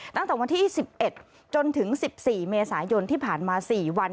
ตั้งแต่วันที่๑๑จนถึง๑๔เมษายนที่ผ่านมา๔วัน